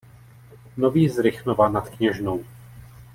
Nový z Rychnova nad Kněžnou.